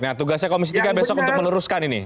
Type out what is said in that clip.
nah tugasnya komisi tiga besok untuk meneruskan ini